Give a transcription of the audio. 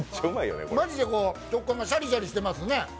マジで食感がシャリシャリしてますね。